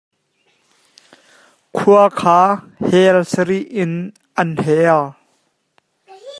Khua kha hel sarih in an hel.